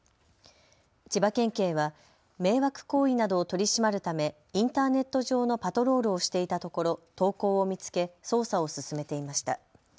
千葉県警は迷惑行為などを取り締まるためインターネット上のパトロールをしていたところ投稿を見つけ捜査を進めていました。